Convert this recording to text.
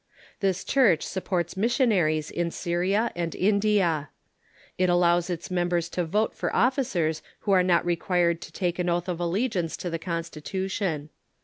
This Church supports missionaries in Syria and India. It allows its members to vote for officers who are not required to take an oath of allegiance to the Constitution.